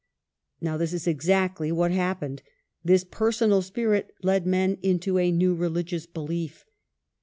Now this is exactly what happened. This personal spirit led men into a new religious belief.